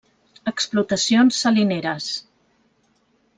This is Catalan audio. Explotacions salineres.